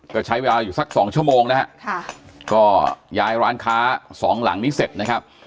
ก็ใช้เวลาอยู่สักสองชั่วโมงนะฮะค่ะก็ย้ายร้านค้าสองหลังนี้เสร็จนะครับ